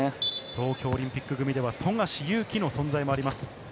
東京オリンピック組では富樫勇樹の存在もあります。